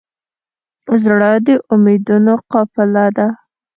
زړه د امیدونو قافله ده.